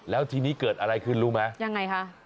แล้วทีนี้เกิดอะไรขึ้นรู้ไหมยังไงคะ